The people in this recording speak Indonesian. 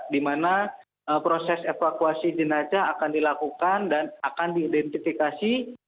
di mana proses evakuasi jenazah akan dilakukan dan akan diidentifikasi